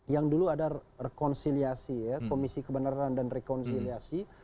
yang dulu ada rekonsiliasi ya komisi kebenaran dan rekonsiliasi